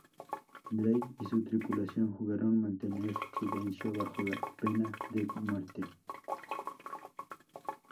Drake y su tripulación juraron mantener silencio bajo pena de muerte.